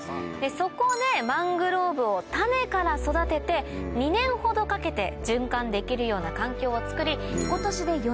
そこでマングローブを種から育てて２年ほどかけて循環できるような環境をつくり今年で４年目